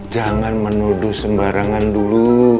jangan menuduh sembarangan dulu